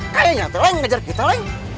kayanya tuh leng ngejar kita leng